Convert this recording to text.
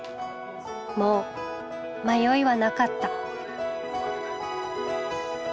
もう迷いはなかった。